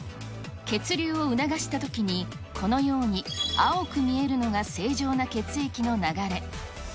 血流を促したときに、このように青く見えるのが正常な血液の流れ。